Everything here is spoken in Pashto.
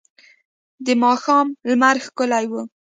د ماښام لمر ښکلی و.